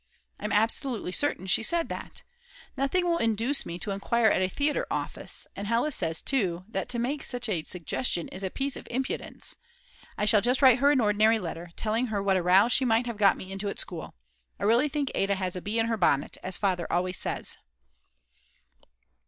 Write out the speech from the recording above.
I'm absolutely certain she said that. Nothing will induce me to go to enquire at a theatre office, and Hella says too that to make such a suggestion is a piece of impudence. I shall just write her an ordinary letter, telling her what a row she might have got me into at school. I really think Ada has a bee in her bonnet, as Father always says.